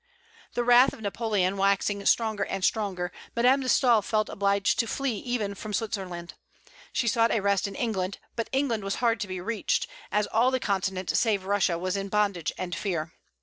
The wrath of Napoleon waxing stronger and stronger, Madame de Staël felt obliged to flee even from Switzerland. She sought a rest in England; but England was hard to be reached, as all the Continent save Russia was in bondage and fear.